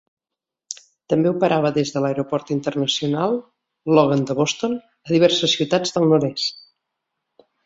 També operava des de l'Aeroport Internacional Logan de Boston a diverses ciutats del nord-est.